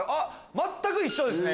全く一緒ですね